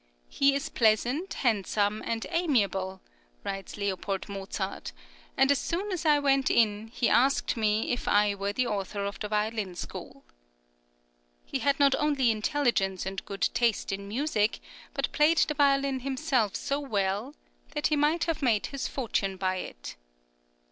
"He is pleasant, handsome, and amiable," writes L. Mozart, "and as soon as I went in, he asked me if I were the author of the Violin School." He had not only intelligence and good taste in music, but played the violin himself so well "that he might have made his fortune by it."